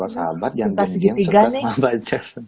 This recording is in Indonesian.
kalau sahabat yang suka sama pacar